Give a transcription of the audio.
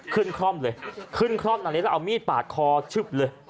ขึ้นคร่อมเลยขึ้นคร่อมนางเล็กแล้วเอามีดปาดคอชึบเลย